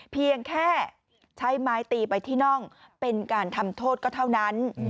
เพียงแค่ใช้ไม้ตีไปที่น่องเป็นการทำโทษก็เท่านั้น